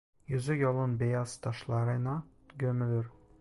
Yüzü yolun beyaz taşlarına gömülür.